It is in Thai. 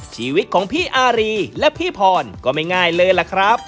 ชีวิตของพี่อารีและพี่พรก็ไม่ง่ายเลยล่ะครับ